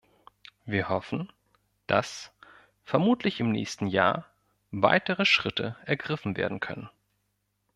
Wir hoffen, dass – vermutlich im nächsten Jahr – weitere Schritte ergriffen werden können.